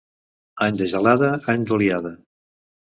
Any de gelada, any d'oliada.